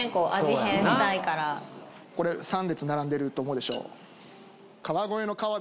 変したいからこれ３列並んでると思うでしょ？